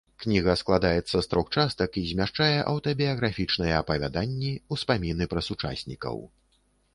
Кніга складаецца з трох частак і змяшчае аўтабіяграфічныя апавяданні, успаміны пра сучаснікаў.